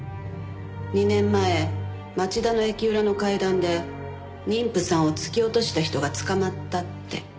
２年前町田の駅裏の階段で妊婦さんを突き落とした人が捕まったって。